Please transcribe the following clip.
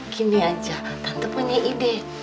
gini aja tante punya ide